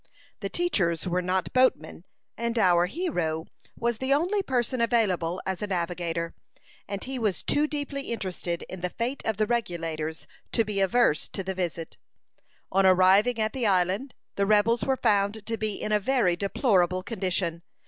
The teachers were not boatmen, and our hero was the only person available as a navigator; and he was too deeply interested in the fate of the Regulators to be averse to the visit. On arriving at the island, the rebels were found to be in a very deplorable condition.